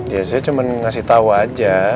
ya saya cuma ngasih tahu aja